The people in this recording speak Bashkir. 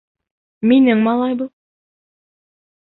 Минең малай был.